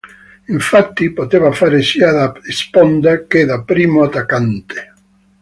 Infatti poteva fare sia da sponda che da primo attaccante.